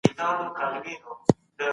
ادم ته د اسمانونو او مځکي علم ورکړل سو.